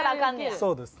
そうですね。